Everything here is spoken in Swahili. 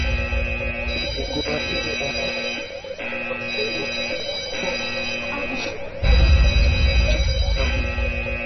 Hii ilikua idhaa ya kwanza ya lugha ya Kiafrika kuanzisha matangazo kupitia mitambo